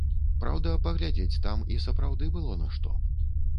Праўда, паглядзець там і сапраўды было на што.